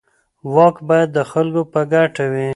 واک باید د خلکو په ګټه وي.